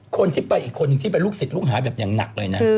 คนที่ไปอีกคนนึงที่เป็นลูกศิษย์ลูกหาแบบอย่างหนักเลยนะ